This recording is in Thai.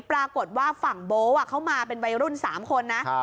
ปรากฏว่าฝั่งโบ๊เขามาเป็นวัยรุ่น๓คนนะ